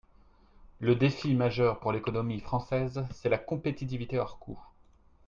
Le défi majeur pour l’économie française, c’est la compétitivité hors coût.